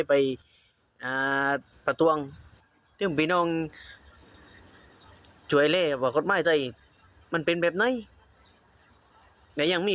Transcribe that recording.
ังมีเรื่องกัน